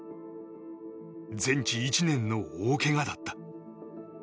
全治１年の大けがだった。